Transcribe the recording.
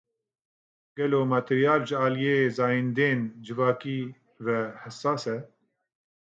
Gelo materyal ji aliyê zayendên civakî ve hesas e?